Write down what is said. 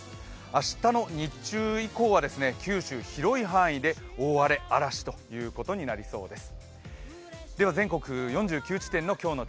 明日の日中以降は九州の広い範囲で大荒れ、嵐ということになりそうです。